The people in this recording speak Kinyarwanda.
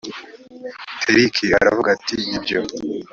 teariki aravuga ati ni byo